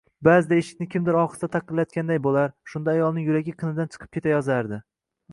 Ba`zida eshikni kimdir ohista taqillatganday bo`lar, shunda ayolning yuragi qinidan chiqib ketayozardi